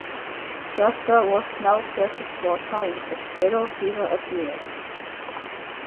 Shafter was now pressed for time as Yellow fever appeared.